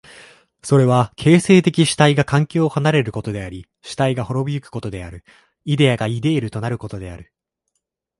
それは形成的主体が環境を離れることであり主体が亡び行くことである、イデヤがイデールとなることである。